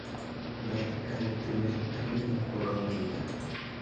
Bart gana el primer premio en un juego de habilidad.